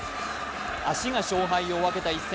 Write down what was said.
足が勝敗を分けた一戦